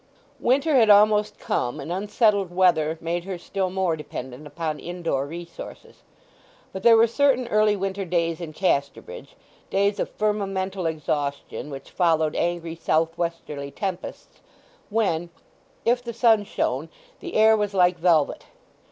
Winter had almost come, and unsettled weather made her still more dependent upon indoor resources. But there were certain early winter days in Casterbridge—days of firmamental exhaustion which followed angry south westerly tempests—when, if the sun shone, the air was like velvet.